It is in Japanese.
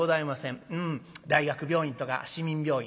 大学病院とか市民病院